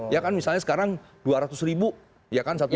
ya kan misalnya sekarang dua ratus ribu ya kan